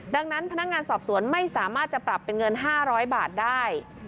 ดังนั้นพนักงานสอบสวนไม่สามารถจะปรับเป็นเงิน๕๐๐บาทได้